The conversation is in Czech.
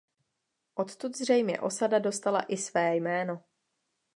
Odtud zřejmě osada dostala i své jméno.